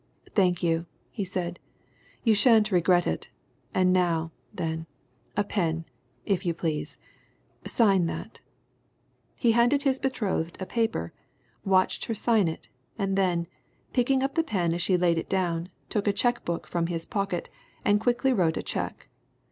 "Thank you," he said. "You shan't regret it. And now, then a pen, if you please. Sign that." He handed his betrothed a paper, watched her sign it, and then, picking up the pen as she laid it down, took a cheque book from his pocket and quickly wrote a cheque.